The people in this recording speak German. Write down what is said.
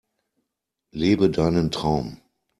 Lebe deinen Traum!